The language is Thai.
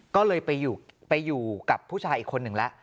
ก็เลยไปอยู่กับผู้ชายอีกคนหนึ่งแล้ว